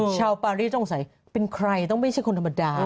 ปารีสต้องใส่เป็นใครต้องไม่ใช่คนธรรมดา